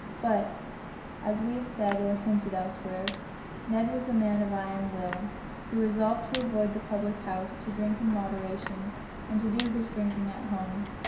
But, as we have said or hinted elsewhere, Ned was a man of iron will. He resolved to avoid the public house, to drink in moderation, and to do his drinking at home.